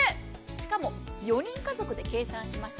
しかも、４人家族で計算しました。